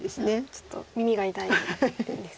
ちょっと耳が痛いですね。